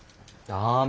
ダメ。